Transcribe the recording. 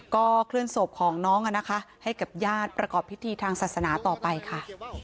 ก็เคลื่อนศพของน้องให้กับญาติประกอบพิธีทางศาสนาต่อไปค่ะ